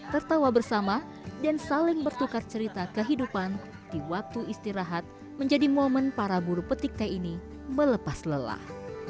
tertawa bersama dan saling bertukar cerita kehidupan di waktu istirahat menjadi momen para buru petik teh ini melepas lelah